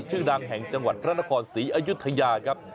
ชื่อดังแห่งจังหวัดพระนครศรีอยุธยาครับ